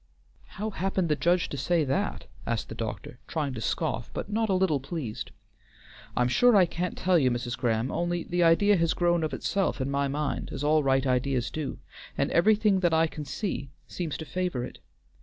"How happened the judge to say that?" asked the doctor, trying to scoff, but not a little pleased. "I'm sure I can't tell you, Mrs. Graham, only the idea has grown of itself in my mind, as all right ideas do, and everything that I can see seems to favor it.